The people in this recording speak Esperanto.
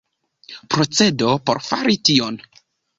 Procedo por fari tion.